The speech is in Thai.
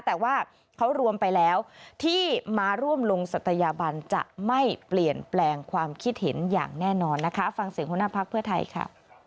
แต่ว่าเขารวมไปแล้วที่มาร่วมลงศัตยาบันจะไม่เปลี่ยนแปลงความคิดเห็นอย่างแน่นอนนะคะฟังเสียงหัวหน้าพักเพื่อไทยค่ะ